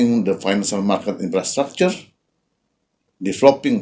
memperkuat infrastruktur pasar finansial